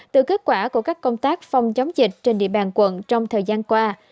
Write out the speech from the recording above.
từ kết quả của các công tác phòng chống dịch trên địa bàn quận trong thời gian qua